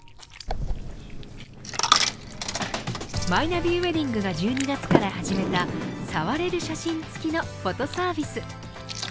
マイナビウエディングが１２月から始めた触れる写真付きのフォトサービス。